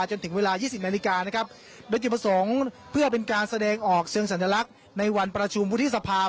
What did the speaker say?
จนถึงเวลายี่สิบนาฬิกานะครับโดยจุดประสงค์เพื่อเป็นการแสดงออกเชิงสัญลักษณ์ในวันประชุมวุฒิสภา